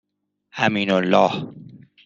امینالله